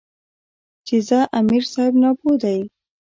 چې ځه امیر صېب ناپوهَ دے ـ